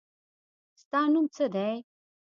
ستا نوم څه دی ؟